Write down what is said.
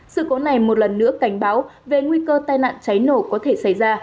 sự cố này một lần nữa cảnh báo về nguy cơ tai nạn cháy nổ có thể xảy ra